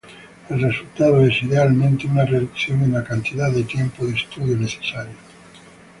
El resultado es, idealmente, una reducción en la cantidad de tiempo de estudio necesario.